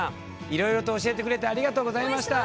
いろいろと教えてくれてありがとうございました。